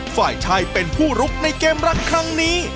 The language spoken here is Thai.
ฝ่ายชายเป็นผู้ลุกในเกมรักครั้งนี้